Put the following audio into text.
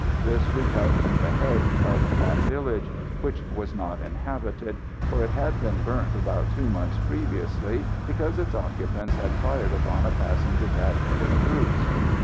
This we cut from the hedge of that village, which was not inhabited, for it had been burnt about two months previously, because its occupants had fired upon a passing detachment of troops.